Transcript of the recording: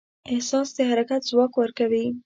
احساس د حرکت ځواک ورکوي.